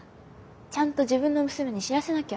ちゃんと自分の娘に知らせなきゃ。